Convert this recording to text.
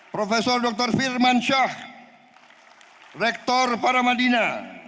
profesor dr firman syah rektor paramadina